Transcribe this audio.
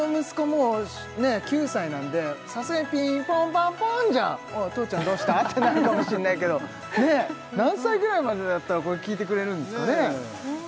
もう９歳なのでさすがに「ピンポンパンポン」じゃ父ちゃんどうした？ってなるかもしれないけど何歳ぐらいまでだったらこれ聞いてくれるんですかね？